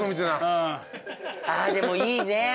でもいいね。